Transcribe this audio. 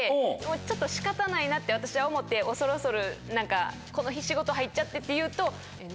ちょっと仕方ないなって私は思って恐る恐るこの日仕事入っちゃってって言うと。